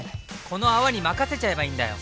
この泡に任せちゃえばいいんだよ！